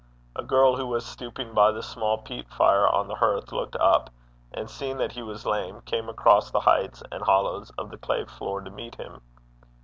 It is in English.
A girl who was stooping by the small peat fire on the hearth looked up, and seeing that he was lame, came across the heights and hollows of the clay floor to meet him.